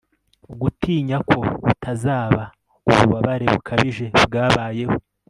gutinya ko utazaba ububabare bukabije bwabayeho